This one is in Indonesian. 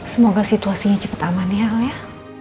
semoga situasinya cepat aman ya al ya